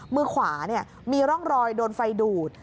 มือขวามีร่องรอยโดนไฟดูด